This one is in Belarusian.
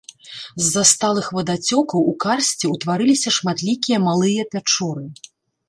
З-за сталых вадацёкаў у карсце ўтварыліся шматлікія малыя пячоры.